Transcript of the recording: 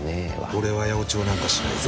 俺は八百長なんかしないぜ。